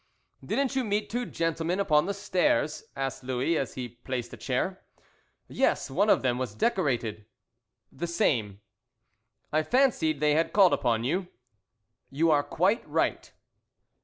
"Didn't you meet two gentlemen upon the stairs?" asked Louis, as he placed a chair. "Yes, one of them was decorated." "The same." "I fancied they had called upon you." "You are quite right."